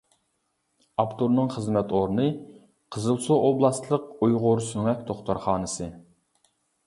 ئاپتورنىڭ خىزمەت ئورنى قىزىلسۇ ئوبلاستلىق ئۇيغۇر سۆڭەك دوختۇرخانىسى.